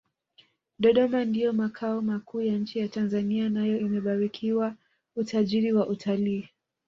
dodoma ndiyo makao makuu ya nchi ya tanzania nayo imebarikiwa utajiri wa utalii